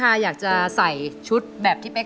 อเรนนี่คือเหตุการณ์เริ่มต้นหลอนช่วงแรกแล้วมีอะไรอีก